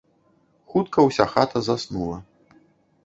Хутка ўся хата заснула.